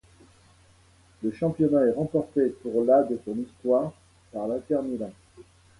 Le championnat est remporté pour la de son histoire par l'Inter Milan.